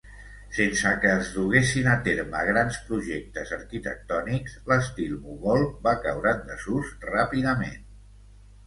Sense que es duguessin a terme grans projectes arquitectònics, l'estil mogol va caure en desús ràpidament.